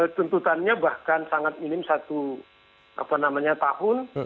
tuntutannya bahkan sangat minim satu tahun